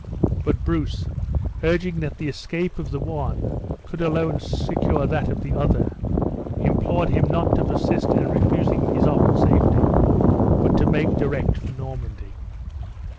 But Bruce, urging that the escape of the one could alone secure that of the other, implored him not to persist in refusing his offered safety, but to make direct for Normandy.